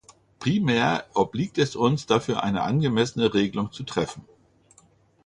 Primär obliegt es uns, dafür eine angemessene Regelung zu treffen.